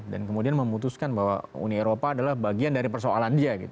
dan kemudian memutuskan bahwa uni eropa adalah bagian dari persoalan dia